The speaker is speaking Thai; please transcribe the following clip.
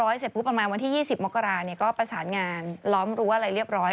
ถ้าไม่เส็บพูดประมาณวันที่๒๐มกราเนี่ยก็ประสานงานล้อมรู้อะไรเรียบร้อย